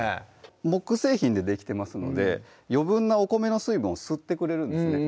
木製品でできてますので余分なお米の水分を吸ってくれるんですね